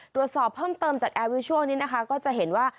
ตรวจสอบเพิ่มเติมจากแอร์วิชัลนี้นะคะก็จะเห็นว่า